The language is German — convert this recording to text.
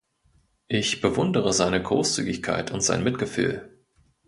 Ich bewundere seine Großzügigkeit und sein Mitgefühl.